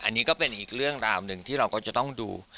อันนี้ก็เป็นอีกเรื่องราวหนึ่งที่เราก็จะต้องดู